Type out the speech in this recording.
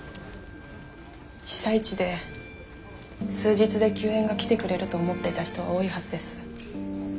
被災地で数日で救援が来てくれると思っていた人は多いはずです。